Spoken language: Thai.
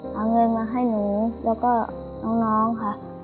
เอาเงินมาให้หนูแล้วก็น้องค่ะ